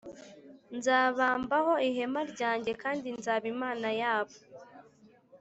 Nzababambaho ihema ryanjye v kandi nzaba Imana yabo